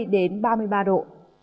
đến ba mươi ba độ